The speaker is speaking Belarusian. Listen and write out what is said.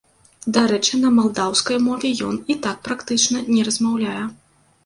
Дарэчы, на малдаўскай мове ён і так практычна не размаўляе.